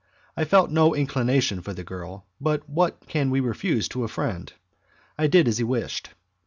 I felt no inclination for the girl, but what can we refuse to a friend? I did as he wished.